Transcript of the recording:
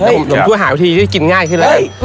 ผมช่วยหาวิธีที่จะกินง่ายขึ้นเลย